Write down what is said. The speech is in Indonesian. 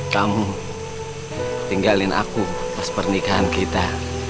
kamu tinggalin aku pas pernikahan kita